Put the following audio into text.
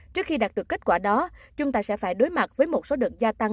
trước khi đạt được kết quả đó chúng ta sẽ phải đối mặt với một số đợt gia tăng